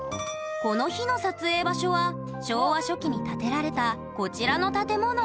この日の撮影場所は昭和初期に建てられたこちらの建物。